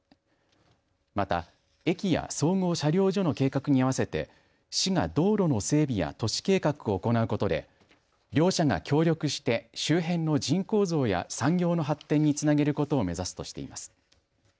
また駅や総合車両所の計画に合わせて市が道路の整備や都市計画を行うことで両者が協力して周辺の人口増や産業の発展につなげることを目指すとしています。